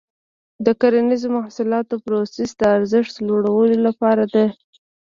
د کرنیزو محصولاتو پروسس د ارزښت لوړولو لاره ده.